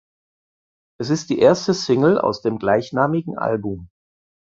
Es ist die erste Single aus dem gleichnamigen Album.